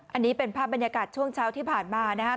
อันนี้เป็นภาพบรรยากาศช่วงเช้าที่ผ่านมานะครับ